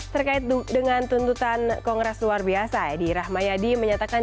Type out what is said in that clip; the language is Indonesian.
terkait dengan tuntutan kongres luar biasa edi rahmayadi menyatakan